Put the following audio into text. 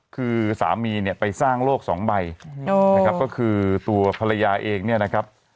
คือสามีเนี่ยไปสร้างโลกสองใบนะครับก็คือตัวภรรยาเองเนี่ยนะครับ